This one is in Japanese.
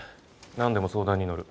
何でも相談に乗る。